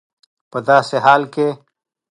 په داسي حال کي